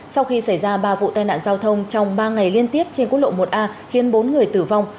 sau khi xảy ra ba vụ tai nạn giao thông trong ba ngày liên tiếp trên quốc lộ một a khiến bốn người tử vong